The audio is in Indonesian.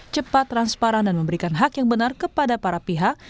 cepat transparan dan memberikan hak yang benar kepada para pihak